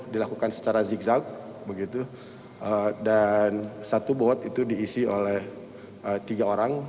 dilakukan secara zigzag dan satu bot itu diisi oleh tiga orang